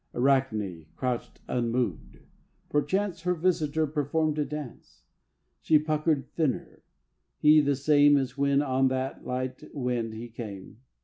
Arachne crouched unmoved; perchance Her visitor performed a dance; She puckered thinner; he the same As when on that light wind he came.